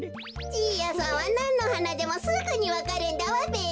じいやさんはなんのはなでもすぐにわかるんだわべ。